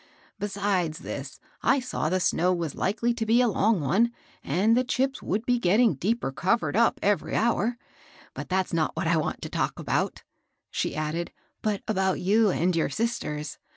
Besides this, I saw the snow was likely to be a long one, and the chips would be getting deeper covered up every hour. But that's not what I want to talk about," she added, "but about you and your sisters.